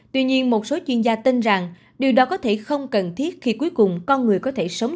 tuy nhiên một số chuyên gia tin rằng điều đó có thể không cần thiết khi cuối cùng con người có thể sống